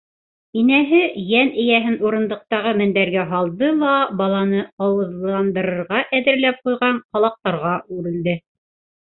- Инәһе йән эйәһен урындыҡтағы мендәргә һалды ла, баланы ауыҙландырырға әҙерләп ҡуйған ҡалаҡтарға үрелде.